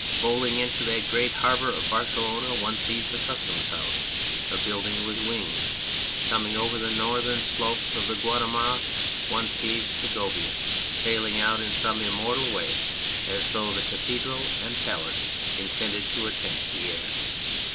Bowling into that great harbour of Barcelona one sees the Customs House, a building with wings. Coming over the northern slopes of the Guadarrama one sees Segovia sailing out in some immortal way as though the cathedral and palace intended to attempt the air.